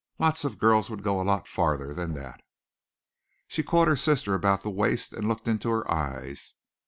Lots of girls would go a lot farther than that." She caught her sister about the waist and looked into her eyes.